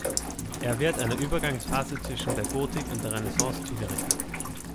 Er wird einer Übergangsphase zwischen der Gotik und der Renaissance zugerechnet.